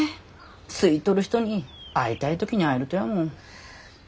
好いとる人に会いたい時に会えるとやもん。